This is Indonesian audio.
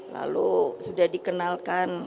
lalu sudah dikenalkan